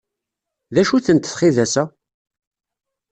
D acu-tent txidas-a?